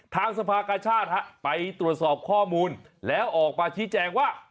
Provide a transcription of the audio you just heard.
ทางสภากชาติไปตรวจสอบข้อมูลแล้วออกมาชี้แจงว่า